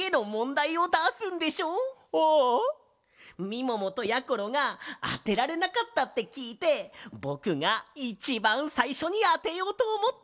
みももとやころがあてられなかったってきいてぼくがいちばんさいしょにあてようとおもってるんだ！